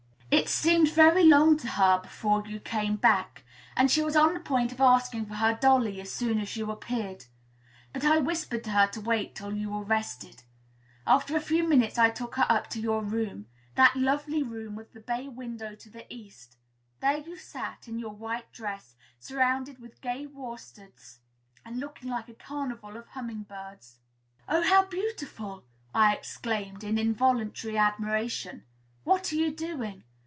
It seemed very long to her before you came back, and she was on the point of asking for her dolly as soon as you appeared; but I whispered to her to wait till you were rested. After a few minutes I took her up to your room, that lovely room with the bay window to the east; there you sat, in your white dress, surrounded with gay worsteds, all looking like a carnival of humming birds. "Oh, how beautiful!" I exclaimed, in involuntary admiration; "what are you doing?"